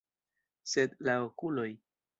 Sed la okuloj!